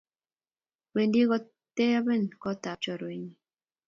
wendi koteben kotab chorwenyin